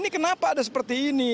kenapa ada seperti ini